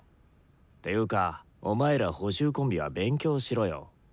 ていうかお前ら補習コンビは勉強しろよ。